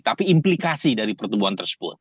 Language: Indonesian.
tapi implikasi dari pertemuan